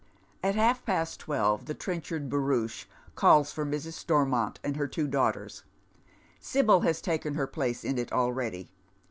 At half past twelve the Trenchard barouche calls for Airs. Stonnont and her two daughters ; Sibyl has taken her place in it already.